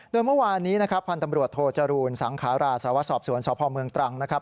โดยเมื่อวานนี้นะครับพันธ์ตำรวจโทจรูลสังขาราสาวสอบสวนสพเมืองตรังนะครับ